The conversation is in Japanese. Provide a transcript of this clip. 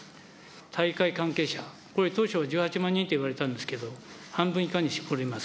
大会関係者、これ、当初１８万人といわれたんですけれども、半分以下に絞ります。